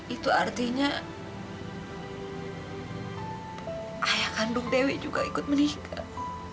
itu artinya ayah kandung dewi juga ikut menikah